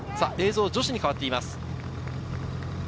映像は女子に変わっています。